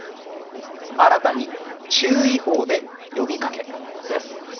新たに注意報で呼びかけです。